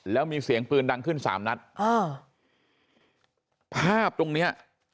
แล้วมีเสียงปืนดังขึ้นสามนัดอ่าภาพตรงเนี้ย